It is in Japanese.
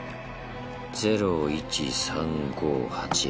０１３５８。